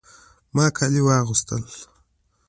ما جامې واغستې